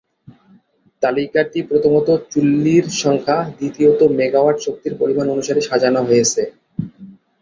তালিকাটি প্রথমত চুল্লীর সংখ্যা, দ্বিতীয়ত মেগাওয়াট শক্তির পরিমাণ অনুসারে সাজানো হয়েছে।